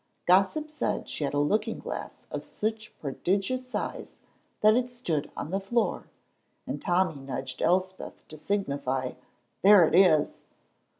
Gossip said she had a looking glass of such prodigious size that it stood on the floor, and Tommy nudged Elspeth to signify, "There it is!"